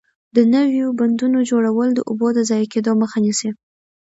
د نويو بندونو جوړول د اوبو د ضایع کېدو مخه نیسي.